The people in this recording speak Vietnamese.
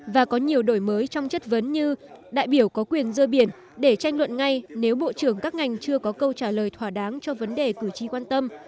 và có nhiều đổi mới trong chất vấn như đại biểu có quyền rơi biển để tranh luận ngay nếu bộ trưởng các ngành chưa có câu trả lời thỏa đáng cho vấn đề cử tri quan tâm